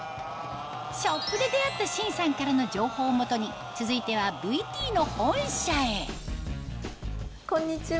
ショップで出会った申さんからの情報を元に続いてはＶＴの本社へこんにちは。